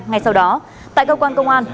ngay sau đó tại cơ quan công an